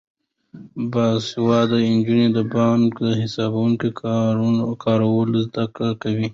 باسواده نجونې د بانکي حسابونو کارول زده کوي.